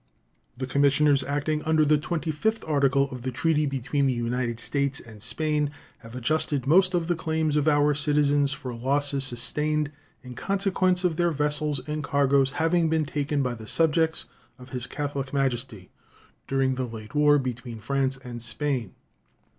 The commissioners acting under the 25th article of the treaty between the United States and Spain have adjusted most of the claims of our citizens for losses sustained in consequence of their vessels and cargoes having been taken by the subjects of His Catholic Majesty during the late war between France and Spain.